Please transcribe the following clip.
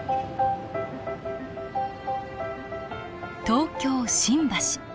東京・新橋。